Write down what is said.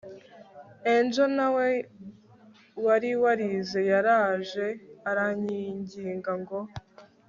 Angel nawe wari warize yaraje aranyinginga ngo